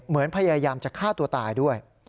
เหมือนพยายามจะฆ่าตัวตายด้วย